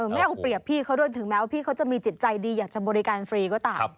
ไม่เอาเปรียบพี่เขาด้วยถึงแม้ว่าพี่เขาจะมีจิตใจดีอยากจะบริการฟรีก็ตาม